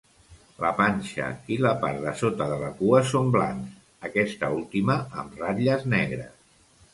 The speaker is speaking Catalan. La panxa i la part de sota de la cua són blancs, aquesta última amb ratlles negres.